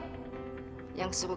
hai yang suruh